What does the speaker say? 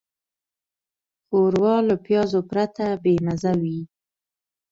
ښوروا له پیازو پرته بېمزه وي.